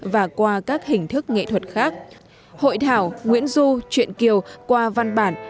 và qua các hình thức nghệ thuật khác hội thảo nguyễn du truyện kiều qua văn bản